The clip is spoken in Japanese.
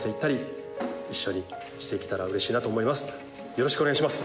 「よろしくお願いします」